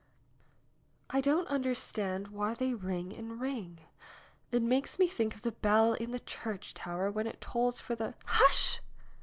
"I don't understand why they ring and ring. It makes me think of the bell in the church tower when it tolls for the " "Hush!"